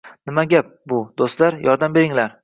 Nima gap bu, do’stlar? Yordam beringlar